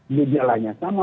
nilai jalannya sama